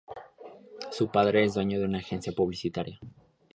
Su padre es dueño de una agencia publicitaria.